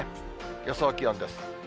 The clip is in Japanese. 予想気温です。